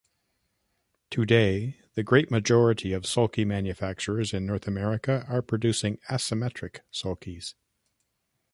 Today the great majority of sulky manufacturers in North America are producing asymmetric sulkies.